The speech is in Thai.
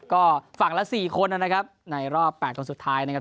ก็ฝั่งละ๔คนนะครับในรอบ๘คนสุดท้ายนะครับ